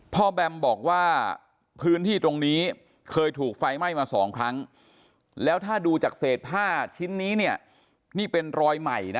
แบมบอกว่าพื้นที่ตรงนี้เคยถูกไฟไหม้มาสองครั้งแล้วถ้าดูจากเศษผ้าชิ้นนี้เนี่ยนี่เป็นรอยใหม่นะ